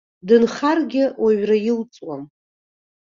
Дынхаргьы, уаҩра илҵуам!